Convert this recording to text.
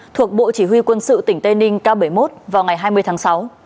thuộc bộ chỉ huy quân sự tỉnh tây ninh k bảy mươi một vào ngày hai mươi tháng sáu